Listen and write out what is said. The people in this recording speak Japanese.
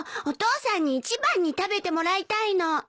お父さんに一番に食べてもらいたいの。